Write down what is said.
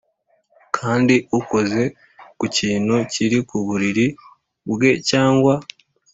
Kandi ukoze ku kintu kiri ku buriri bwe cyangwa